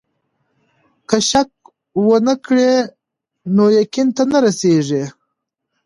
که شک ونه کړې نو يقين ته نه رسېږې.